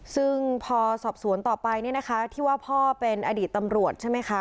ซึ่งพอสอบสวนต่อไปเนี่ยนะคะที่ว่าพ่อเป็นอดีตตำรวจใช่ไหมคะ